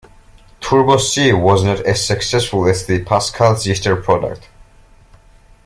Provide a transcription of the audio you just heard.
Turbo C was not as successful as the Pascal-sister product.